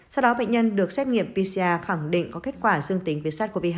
sau đó bệnh nhân được xét nghiệm pcr khẳng định có kết quả dương tính với sars cov hai